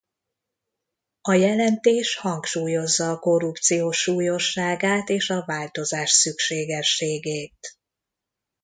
A jelentés hangsúlyozza a korrupció súlyosságát és a változás szükségességét.